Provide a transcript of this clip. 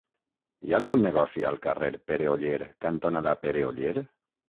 Hi ha algun negoci al carrer Pere Oller cantonada Pere Oller?